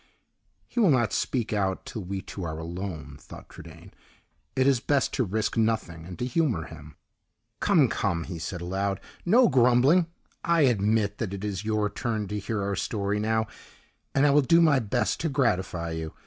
"He will not speak out till we two are alone," thought Trudaine. "It is best to risk nothing, and to humor him." "Come, come," he said aloud; "no grumbling. I admit that it is your turn to hear our story now; and I will do my best to gratify you.